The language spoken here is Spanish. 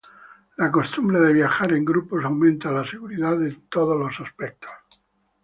La costumbre de viajar en grupo aumenta la seguridad en todos los aspectos.